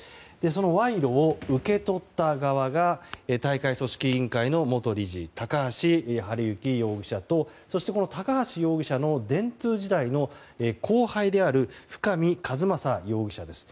その賄賂を受け取った側が大会組織委員会の元理事高橋治之容疑者とそして高橋容疑者の電通時代の後輩である深見和政容疑者です。